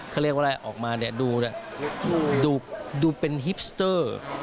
เขาเรียกว่าอะไรออกมาเนี่ยดูเป็นฮิปสเตอร์